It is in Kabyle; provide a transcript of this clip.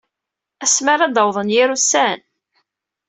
Asmi ara d-awḍen yir ussan.